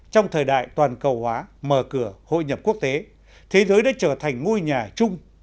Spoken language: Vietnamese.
trong thời đại toàn cầu hóa mở cửa hội nhập quốc tế thế giới đã trở thành ngôi nhà chung